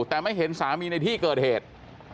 แต่ไม่เห็นสามีในที่เกิดเหตุ